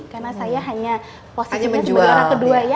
karena saya hanya posisinya sebagai orang kedua ya